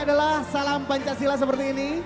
ini adalah salam pancasila seperti ini